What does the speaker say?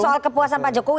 soal kepuasan pak jokowi